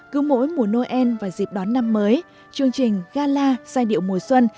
cứ mỗi mùa noel và dịp đón năm mới chương trình gala giai điệu mùa xuân